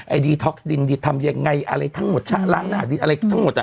ไอ้ดีท็อกซ์ดินทำยังไงอะไรทั้งหมดล้างหนาดินอะไรทั้งหมด